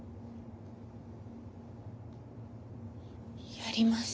やります。